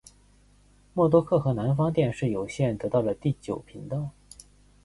默多克和南方电视有线得到了第九频道。